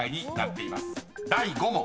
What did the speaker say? ［第５問］